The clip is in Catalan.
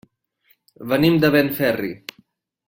Venim de Benferri.